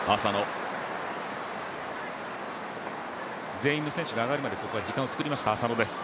全員の選手が上がるまで時間を作りました、浅野です。